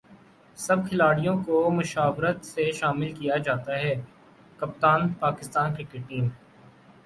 سب کھلاڑیوں کومشاورت سےشامل کیاجاتاہےکپتان پاکستان کرکٹ ٹیم